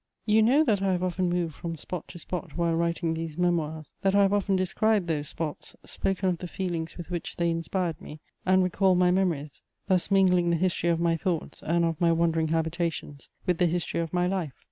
You know that I have often moved from spot to spot while writing these Memoirs; that I have often described those spots, spoken of the feelings with which they inspired me, and recalled my memories, thus mingling the history of my thoughts and of my wandering habitations with the history of my life.